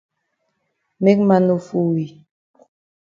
Make man no fool we.